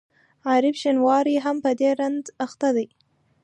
عارف شینواری هم په دې رنځ اخته دی.